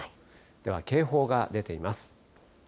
では警報が出ています。